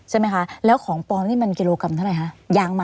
ใช่ไหมคะแล้วของปลอมนี่มันกิโลกรัมเท่าไรคะยางมา